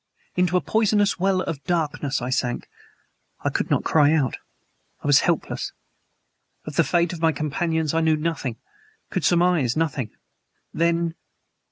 Into a poisonous well of darkness I sank. I could not cry out. I was helpless. Of the fate of my companions I knew nothing could surmise nothing. Then